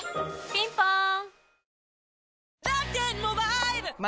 ピンポーン